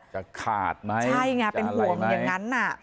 จะขาดไหมจะอะไรไหมใช่ไงเป็นห่วงอย่างนั้น